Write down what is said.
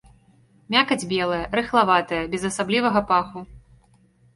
Мякаць белая, рыхлаватая, без асаблівага паху.